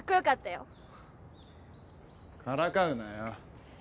からかうなよ。